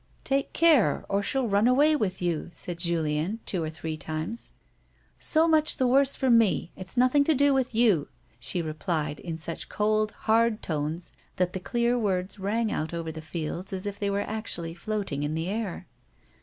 "Take care, or she'll run away with you," said Julieu two or three times. "So much the worse for me; it's nothing to do with you," she replied, in such cold, hard tones that the clear words rang out over the fields as if they were actually float ing in the air.